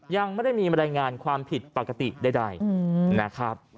ยังไม่ได้มีบรรยายงานความผิดปกติใดนะครับ